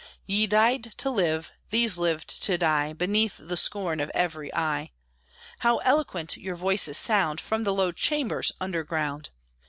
Ye died to live, these lived to die, Beneath the scorn of every eye! How eloquent your voices sound From the low chambers under ground!